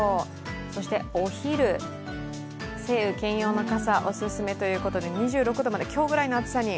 そしてお昼、晴雨兼用の傘おすすめということで２６度まで、今日くらいの暑さに？